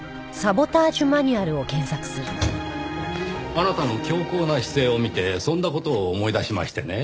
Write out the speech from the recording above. あなたの強硬な姿勢を見てそんな事を思い出しましてねぇ。